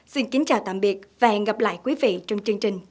xin kính chào tạm biệt và hẹn gặp lại quý vị trong chương trình kỳ sau